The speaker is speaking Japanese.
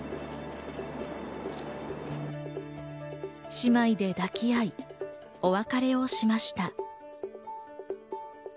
姉妹で抱き合い、お別れをしました。